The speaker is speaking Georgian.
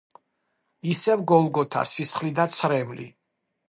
ისევ გოლგოთა სისხლი და ცრემლი.